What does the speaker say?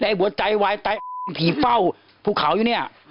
แล้วไอ้หัวใจว่าไอ้ตายผีเฝ้าภูเขาอยู่เนี่ย